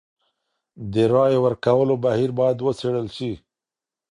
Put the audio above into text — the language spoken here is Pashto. د رايې ورکولو بهير بايد وڅېړل سي.